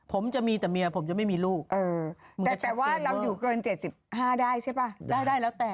ผมจะมีแต่เมียผมจะไม่มีลูกเออแต่ว่าเราอยู่เกินเจ็ดสิบห้าได้ใช่ปะ